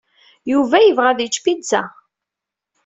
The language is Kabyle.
Yuba yebɣa ad yečč pizza.